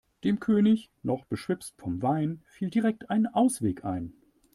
Dem König, noch beschwipst vom Wein, fiel direkt ein Ausweg ein.